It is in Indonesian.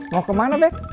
mau kemana bet